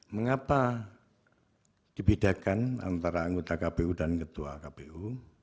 mengapa dibedakan antara anggota kpu dan ketua kpu